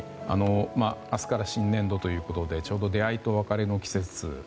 明日から新年度ということでちょうど出会いと別れの季節。